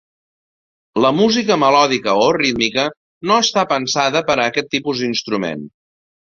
La música melòdica o rítmica no està pensada per a aquest tipus d’instrument.